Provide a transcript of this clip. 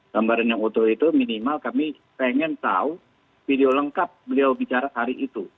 gambaran yang utuh itu minimal kami pengen tahu video lengkap beliau bicara hari itu